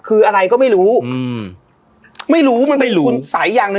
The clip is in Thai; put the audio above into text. คืออะไรก็ไม่รู้อืมไม่รู้มันเป็นคุณสัยอย่างหนึ่ง